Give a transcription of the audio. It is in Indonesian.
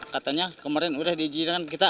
katanya kemarin udah di jiran kita